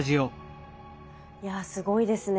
いやすごいですね。